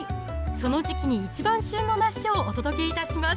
その時期に一番旬の梨をお届けいたします